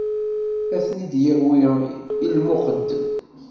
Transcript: Ad ten-id-yawi i lmuqeddem.